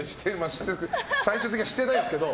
最終的にはしてないですけど。